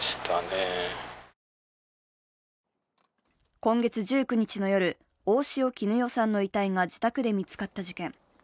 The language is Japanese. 今月１９日の夜、大塩衣与さんの遺体が自宅で見つかった事件。